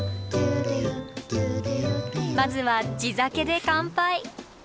まずは地酒で乾杯。